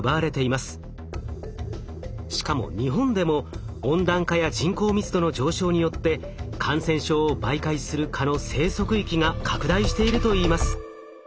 しかも日本でも温暖化や人口密度の上昇によって感染症を媒介する蚊の生息域が拡大しているといいます。